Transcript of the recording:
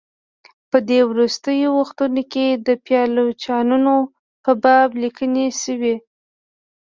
په دې وروستیو وختونو کې د پایلوچانو په باب لیکني شوي.